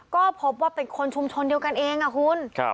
ก็พบว่าเป็นคนชุมชนเดียวกันเองคุณ